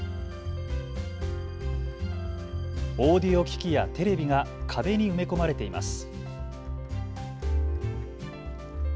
オーディオ機器やテレビが壁に埋め込まれています。